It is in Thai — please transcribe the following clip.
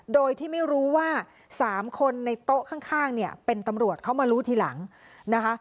โดยที่ไม่รู้ว่าสามคนในโต๊ะข้างเนี่ยเป็นตำรวจเขามารู้ทีหลังนะคะ